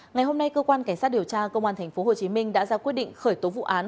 ngày hôm nay cơ quan cảnh sát điều tra công an tp hcm đã ra quyết định khởi tố vụ án